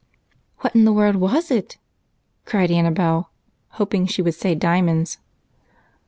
"What in the world was it?" cried Annabel, hoping she would say diamonds.